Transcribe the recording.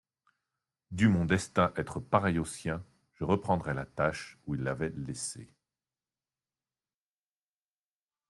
Dût mon destin être pareil au sien, je reprendrais la tâche où il l'avait laissée.